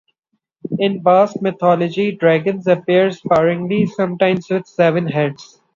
In Basque mythology, dragons appear sparingly, sometimes with seven heads.